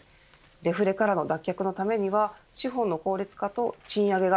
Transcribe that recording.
デフレからの脱却のためには資本の効率化と賃上げが